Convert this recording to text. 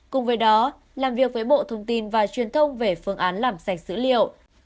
cùng với đó làm việc với bộ thông tin và truyền thông về phương án làm sạch dữ liệu